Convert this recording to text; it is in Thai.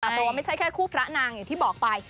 เพราะว่าไม่ใช่แค่คู่พระนางอย่างที่บอกไป